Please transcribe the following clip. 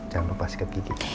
jangan lupa sikap gigi